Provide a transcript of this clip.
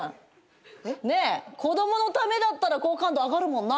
ねえ子供のためだったら好感度上がるもんな。